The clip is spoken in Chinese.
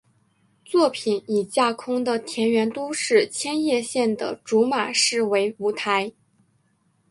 作品以架空的田园都市千叶县的竹马市为舞台。